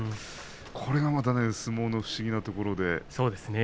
これがまた相撲の不思議なところなんです。